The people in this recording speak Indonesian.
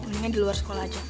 mendingan di luar sekolah aja